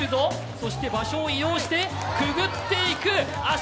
そして場所を移動してくぐっていく。